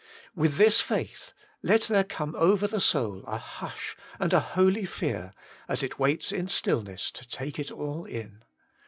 With this faith let there come over the soul % WAITING ON GOD! 139 j' hush and a holy fear, as it waits in stillness to take it all in.